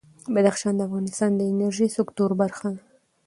بدخشان د افغانستان د انرژۍ سکتور برخه ده.